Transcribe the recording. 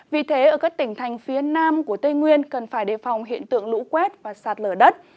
vì thế ở các tỉnh thành phía nam của tây nguyên cần phải đề phòng hiện tượng lũ quét và sạt lở đất